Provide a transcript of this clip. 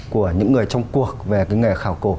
của những người trong cuộc về nghề khảo cổ